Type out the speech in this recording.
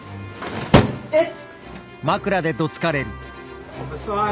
えっ！？